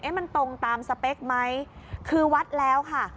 มันตรงตามสเปคไหมคือวัดแล้วค่ะ